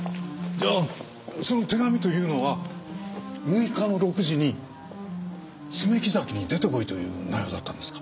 じゃあその手紙というのは６日の６時に爪木崎に出て来いという内容だったんですか？